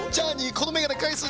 このメガネかえす。